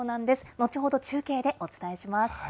後ほど、中継でお伝えします。